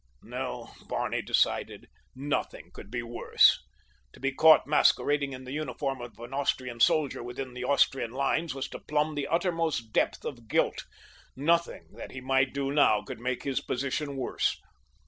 No, Barney decided, nothing could be worse. To be caught masquerading in the uniform of an Austrian soldier within the Austrian lines was to plumb the uttermost depth of guilt—nothing that he might do now could make his position worse.